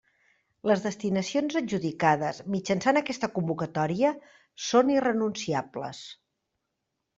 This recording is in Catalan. Les destinacions adjudicades mitjançant aquesta convocatòria són irrenunciables.